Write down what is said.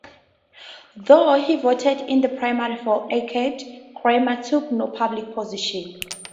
Though he voted in the primary for Eckerd, Cramer took no public position.